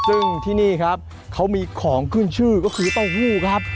ซึ่งที่นี่ครับเขามีของขึ้นชื่อก็คือเต้าหู้ครับ